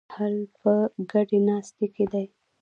حل په ګډې ناستې کې دی.